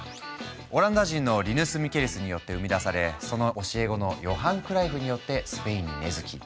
オランダ人のリヌス・ミケルスによって生み出されその教え子のヨハン・クライフによってスペインに根づき